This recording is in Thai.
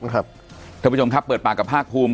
ท่านผู้ชมครับเปิดปากกับภาคภูมิ